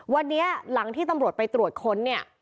วันนี้หลังที่ตำรวจไปตรวจค้นเนี่ย